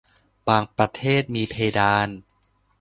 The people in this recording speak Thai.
บางประเทศมีเพดาน